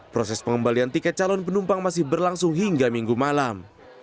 proses pengembalian tiket calon penumpang masih berlangsung hingga minggu malam